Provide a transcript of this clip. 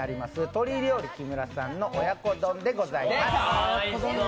鶏料理きむらさんの親子丼でございます。